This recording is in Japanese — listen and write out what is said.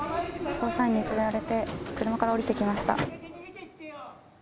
捜査員に連れられて、車から降りてきました。